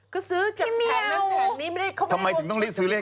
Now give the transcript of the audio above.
ก็ซื้อจากแผ่นนั้นแผ่นนี้ไม่ได้เขาไม่ได้ต้องพี่เมียว